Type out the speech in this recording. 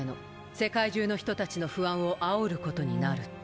世界中の人たちの不安をあおることになるって。